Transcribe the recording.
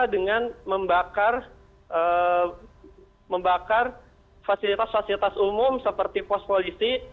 dengan membakar fasilitas fasilitas umum seperti pos polisi